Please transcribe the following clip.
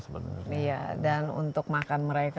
dan untuk makan mereka